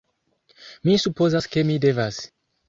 Mi supozas ke mi devas.